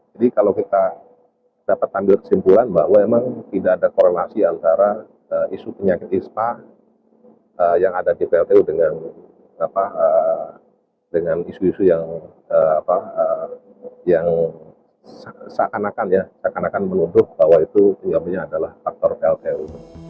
jadi kalau kita dapat tanggung kesimpulan bahwa memang tidak ada korelasi antara isu penyakit ispa yang ada di pltu dengan isu isu yang seakan akan menuduh bahwa itu adalah faktor pltu